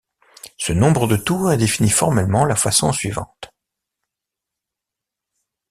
Ce nombre de tours est défini formellement la façon suivante.